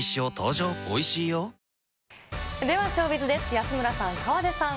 安村さん、河出さん。